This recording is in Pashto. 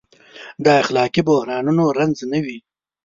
د اخلاقي بحرانونو رنځ نه وي.